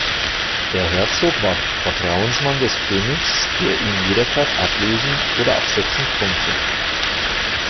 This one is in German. Der Herzog war Vertrauensmann des Königs, der ihn jederzeit ablösen oder absetzen konnte.